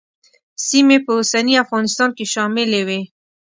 سیمې په اوسني افغانستان کې شاملې وې.